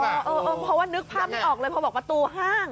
เพราะว่านึกภาพไม่ออกเลยพอบอกประตูห้าง